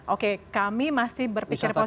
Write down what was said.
oke kami masih berpikir positif